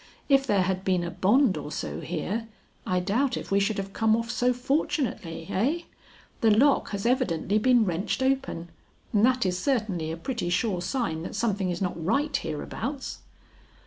If there had been a bond or so here, I doubt if we should have come off so fortunately, eh? The lock has evidently been wrenched open, and that is certainly a pretty sure sign that something is not right hereabouts."